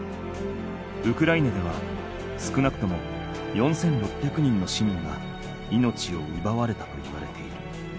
ウクライナでは少なくとも４，６００人の市民が命を奪われたといわれている。